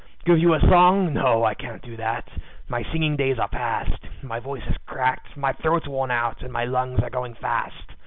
Give you a song? No, I can't do that; my singing days are past; My voice is cracked, my throat's worn out, and my lungs are going fast.